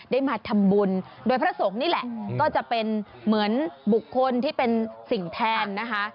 ได้มาทำบุญโดยพระสงฆ์นี่แหละก็จะเป็นเหมือนบุคคลที่เป็นสิ่งแทนนะคะ